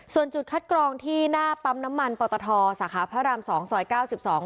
ส่วนจุดคัดกรองที่หน้าปั๊มน้ำมันปอตทสาขาพระรามสองซอยเก้าสิบสอง